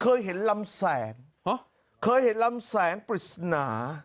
เคยเห็นลำแสงเคยเห็นลำแสงปริศนา